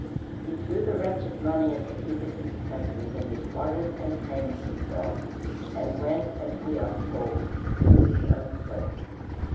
He threw the wretched money at the feet of his tempters and departed and hanged himself, and went, as we are told, "to his own place."